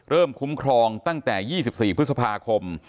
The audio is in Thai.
คุ้มครองตั้งแต่๒๔พฤษภาคม